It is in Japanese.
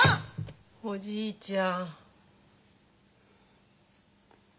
おじいちゃん。